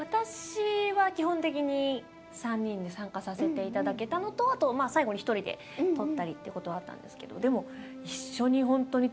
私は基本的に３人で参加させていただけたのとあとまあ最後に１人で録ったりってことはあったんですけど。